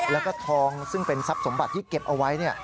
แล้วก็ทองซึ่งเป็นทรัพย์สมบัติที่เก็บเอาไว้